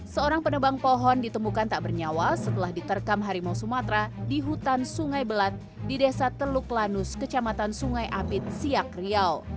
seorang penebang pohon ditemukan tak bernyawa setelah diterkam harimau sumatera di hutan sungai belat di desa teluk lanus kecamatan sungai apit siak riau